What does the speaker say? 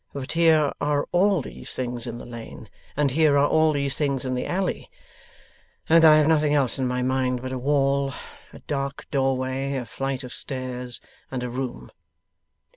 But here are all these things in the lane, and here are all these things in the alley. And I have nothing else in my mind but a wall, a dark doorway, a flight of stairs, and a room.